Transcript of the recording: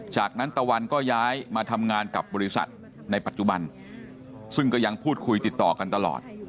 จากนั้นตะวันก็ย้ายมาทำงานกับบริษัทในปัจจุบันซึ่งก็ยังพูดคุยติดต่อกันตลอด